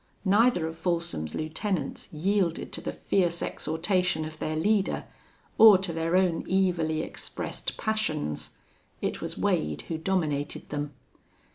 Neither of Folsom's lieutenants yielded to the fierce exhortation of their leader or to their own evilly expressed passions. It was Wade who dominated them.